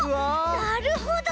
なるほど！